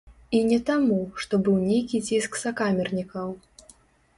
І не таму, што быў нейкі ціск сакамернікаў.